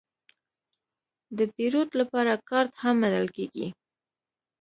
د پیرود لپاره کارت هم منل کېږي.